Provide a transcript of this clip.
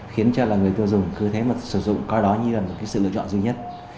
khiến cho là người tiêu dùng cứ thế mà sử dụng coi đó như là một cái sự lựa chọn duy nhất